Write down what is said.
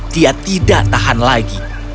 dia tidak tahan lagi